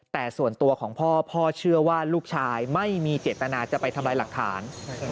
แต่ส่วนตัวของพ่อพ่อเชื่อว่าลูกชายไม่มีเจตนาจะไปทำลายหลักฐาน